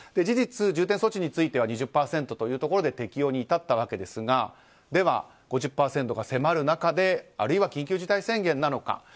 事実、重点措置については２０％というところで適用に至ったわけですがでは、５０％が迫る中であるいは緊急事態宣言なのか。